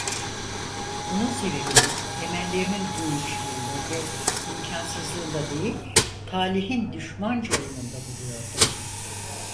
Bunun sebebini emellerinin genişliğinde ve imkânsızlığında değil, talihin düşmanca oyununda buluyordu.